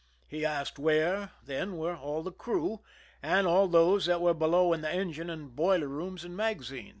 He asked where, then, were all the crew, and all those that were below in the engine and boiler rooms and magazines.